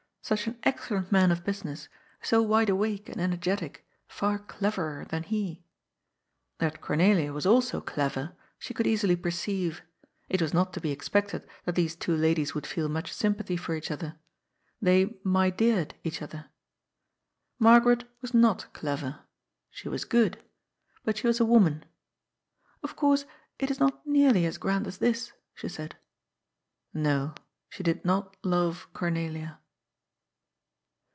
Such an excellent man of business, so wide awake and energetic, far " cleverer " than he. That Cornelia was also " clever " she could easily per ceive. It was not to be expected that these two ladies would feel much sympathy for each other. They "my deared " each other. Margaret was not clever. She was good. But she was a woman. '^ Of course it is not nearly as grand as this," she said. No, she did not love Cornelia.